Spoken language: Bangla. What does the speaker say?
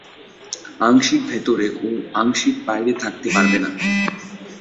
আংশিক ভেতরে ও আংশিক বাইরে থাকতে পারবে না।